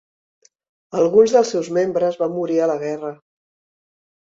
Alguns dels seus membres van morir a la guerra.